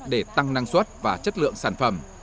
để tăng năng suất và chất lượng sản phẩm